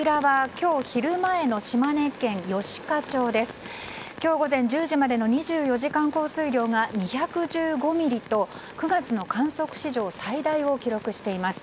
今日午前１０時までの２４時間降水量が２１５ミリと９月の観測史上最大を記録しています。